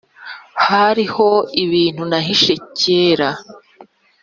hariho ibintu nahishe kera